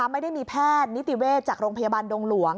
ไม่ได้มีแพทย์นิติเวชจากโรงพยาบาลดงหลวง